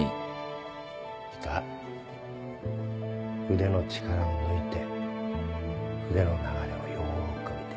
いいか腕の力を抜いて筆の流れをよーく見て。